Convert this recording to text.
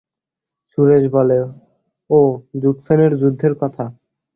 সুরেশ বলে, ও, জুটফেনের যুদ্ধের কথা!